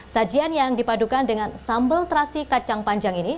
sajian yang dipadukan dengan sambal terasi kacang panjang ini